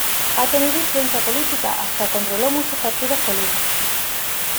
Ha tenido influencia política, hasta controló muchos partidos políticos.